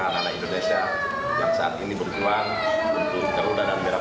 anak anak indonesia yang saat ini berjuang untuk garuda dan merah